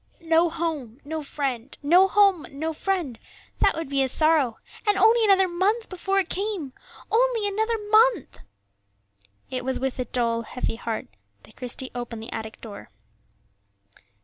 No home, no friend; no home, no friend! that would be his sorrow. And only another month before it came! only another month! It was with a dull, heavy heart that Christie opened the attic door.